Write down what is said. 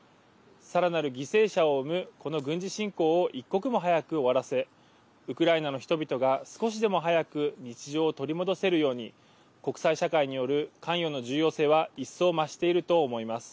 さらなる犠牲者を生むこの軍事侵攻を一刻も早く終わらせウクライナの人々が少しでも早く日常を取り戻せるように国際社会による関与の重要性は一層、増していると思います。